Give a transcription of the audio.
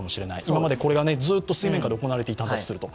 今までこれがずっと水面下で行われていたとすると。